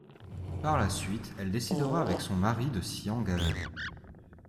Par la suite, elle décidera avec son mari de s'y engager.